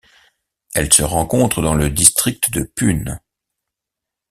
Elle se rencontre dans le district de Pune.